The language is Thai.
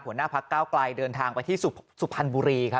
หัวหน้าพักเก้าไกลเดินทางไปที่สุพรรณบุรีครับ